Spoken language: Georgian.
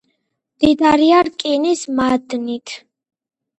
მდიდარია რკინის მადნით.